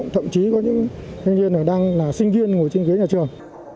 thậm chí có những thanh niên này đang là sinh viên ngồi trên ghế nhà trường